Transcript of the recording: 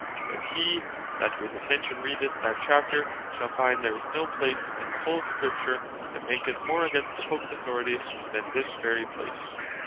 But he that with attention readeth that chapter, shall find there is no place in the whole Scripture, that maketh more against the Popes Authority, than this very place.